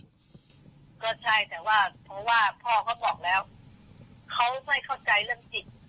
รูปร่างของดาวฟูโซเขาบอกว่าเขามียุ่นยืนเป็นหมื่นปี